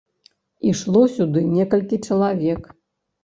Ішло сюды некалькі чалавек.